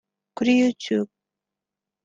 Kuri YouTube